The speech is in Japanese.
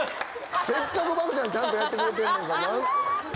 せっかくばくちゃんちゃんとやってくれてんねやから。